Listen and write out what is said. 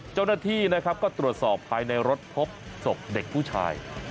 เจ้าหน้าที่นะครับก็ตรวจสอบภายในรถพบศพเด็กผู้ชาย